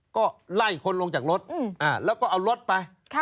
ก็ไล่คนลงจากรถแล้วก็เอารถไป